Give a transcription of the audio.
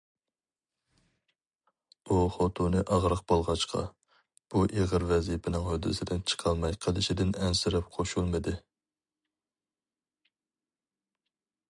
ئۇ خوتۇنى ئاغرىق بولغاچقا، بۇ ئېغىر ۋەزىپىنىڭ ھۆددىسىدىن چىقالماي قېلىشىدىن ئەنسىرەپ قوشۇلمىدى.